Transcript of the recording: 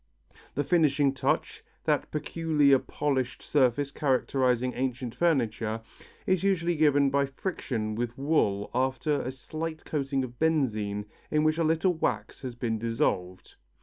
The finishing touch, that peculiar polished surface characterizing ancient furniture, is usually given by friction with wool after a slight coating of benzine in which a little wax has been dissolved.